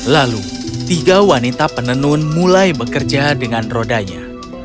lalu tiga wanita penenun mulai bekerja dengan rodanya